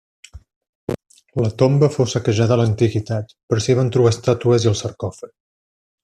La tomba fou saquejada a l'antiguitat però s'hi van trobar estàtues i el sarcòfag.